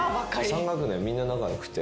３学年みんな仲良くて。